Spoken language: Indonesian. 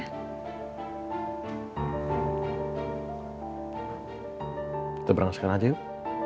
kita berangkat sekarang aja yuk